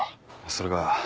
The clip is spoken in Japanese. それが。